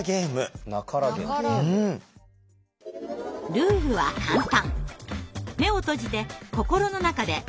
ルールは簡単！